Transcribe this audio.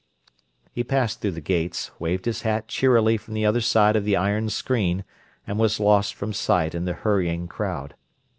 He passed through the gates, waved his hat cheerily from the other side of the iron screen, and was lost from sight in the hurrying crowd.